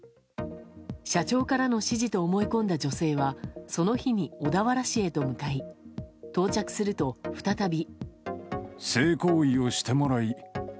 社長からの指示と思い込んだ女性はその日に小田原市へと向かい到着すると、再び。